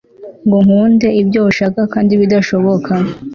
ngo nkunde ibyo ushaka kandi bidashoboka